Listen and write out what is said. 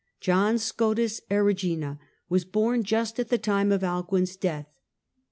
John Scotus Erigena was born just at the date of Alcuin's death.